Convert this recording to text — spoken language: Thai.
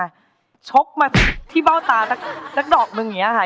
แข็งขึ้นมาชกมาที่เป้าตาสักดอกมึงอย่างเนี้ยค่ะ